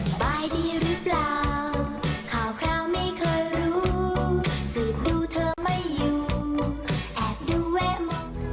สบายดีหรือเปล่าข่าวคราวไม่เคยรู้สืบดูเธอไม่อยู่แอบดูแวะมอง